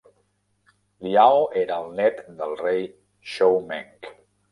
Liao era el nét del rei Shoumeng.